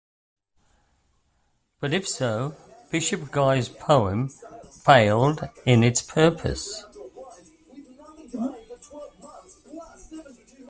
But if so, bishop Guy's poem failed in its purpose.